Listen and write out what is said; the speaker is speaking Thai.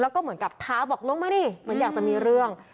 แล้วก็เหมือนกับท้าบอกลงมาดิเหมือนอยากจะมีเรื่อง